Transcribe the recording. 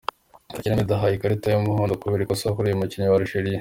Kagere Meddy ahawe ikarita y’umuhondo kubera ikosa akoreye umukinnyi wa Algeria.